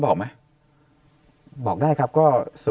บอกได้ครับก็๐๙๓๒๔๙๗๓๓๙